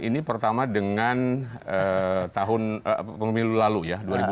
ini pertama dengan tahun pemilu lalu ya dua ribu empat belas